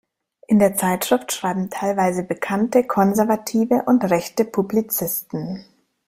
In der Zeitschrift schreiben teilweise bekannte konservative und rechte Publizisten.